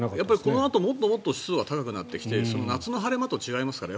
このあともっともっと湿度が高くなってきて夏の晴れ間と違いますから。